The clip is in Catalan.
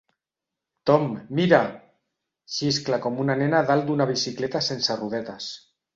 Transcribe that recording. Tom, mira! –xiscla com una nena dalt d'una bicicleta sense rodetes–.